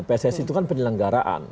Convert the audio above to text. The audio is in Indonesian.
pssi itu kan penyelenggaraan